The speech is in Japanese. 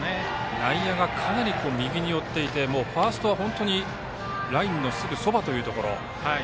内野がかなり右に寄っていてファーストはラインのすぐそばというところ。